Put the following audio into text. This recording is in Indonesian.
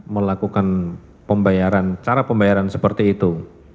melakukan pembayaran cara pembayaran seperti itu